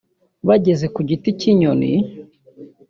Bageze ku Giti cy’inyoni